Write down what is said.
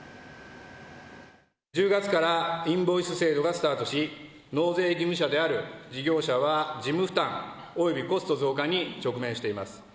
１０月からインボイス制度がスタートし、納税義務者である事業者は、事務負担およびコスト増加に直面しています。